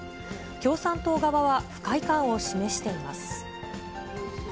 共産党側は不快感を示しています。